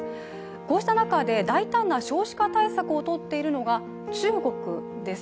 こうした中で、大胆な少子化対策をとっているのが中国です。